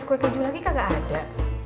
satu toples kue keju lagi kagak ada